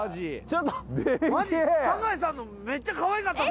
マジ酒井さんのめっちゃかわいかったですね。